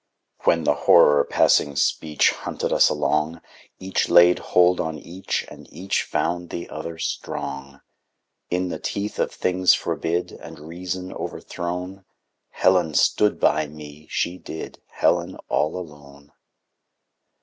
When the Horror passing speech Hunted us along, Each laid hold on each, and each Found the other strong. In the teeth of things forbid And Reason overthrown, Helen stood by me, she did, Helen all alone!